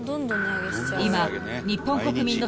［今日本国民の］